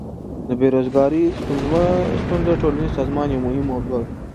د بیروزګاری ستونزه د ټولنیز سازمان یوه مهمه موضوع ده.